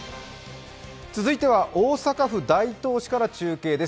続いては大阪府大東市から中継です。